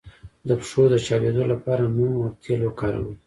د پښو د چاودیدو لپاره موم او تېل وکاروئ